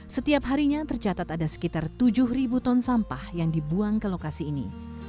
setiap harinya tercatat ada sekitar tujuh ton sampah yang dibuang ke lokasi ini